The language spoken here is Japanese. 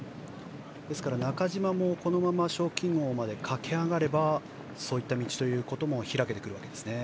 ですから中島もこのまま賞金王まで駆け上がればそういった道も開けてくるわけですね。